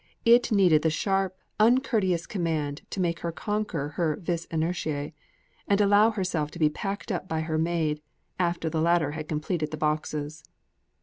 It needed the sharp uncourteous command to make her conquer her vis inertiæ and allow herself to be packed by her maid, after the latter had completed the boxes.